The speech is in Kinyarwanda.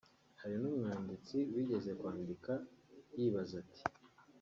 Hari n’umwanditsi wigeze kwandika yibaza ati